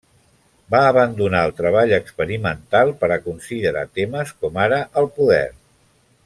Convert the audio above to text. Va abandonar el treball experimental per a considerar temes com ara el poder.